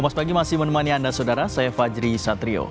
selamat pagi masih menemani anda saudara saya fajri satrio